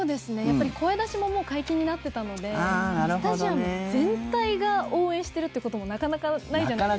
声出しももう解禁になっていたのでスタジアム全体が応援しているってこともなかなかないじゃないですか。